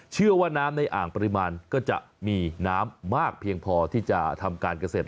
เชื่อว่าน้ำในอ่างปริมาณก็จะมีน้ำมากเพียงพอที่จะทำการเกษตร